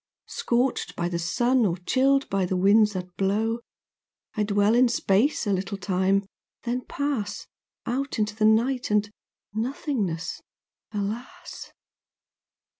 Scorched by the sun, or chilled by winds that blow, I dwell in space a little time, then pass Out into the night and nothingness—alas!